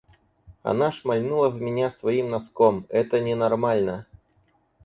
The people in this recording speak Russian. Она шмальнула в меня своим носком, это ненормально!